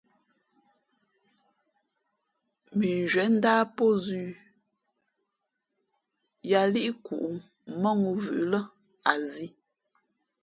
Mʉnzhwīē ndáh pózʉ̄ yāā līʼ kǔʼ mάŋū vʉʼʉ̄ lά a zī.